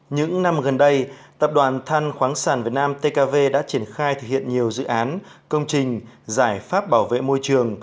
những năm gần đây tập đoàn than khoáng sản việt nam tkv đã triển khai thực hiện nhiều dự án công trình giải pháp bảo vệ môi trường